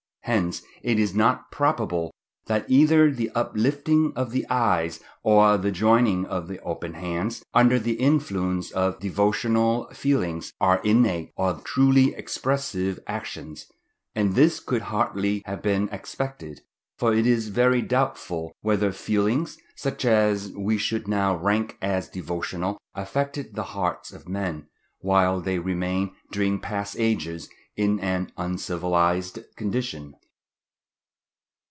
Hence it is not probable that either the uplifting of the eyes or the joining of the open hands, under the influence of devotional feelings, are innate or truly expressive actions; and this could hardly have been expected, for it is very doubtful whether feelings, such as we should now rank as devotional, affected the hearts of men, whilst they remained during past ages in an uncivilized condition.